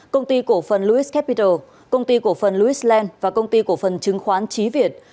công ty cổ phần lewis capital công ty cổ phần lewis land và công ty cổ phần lewis capital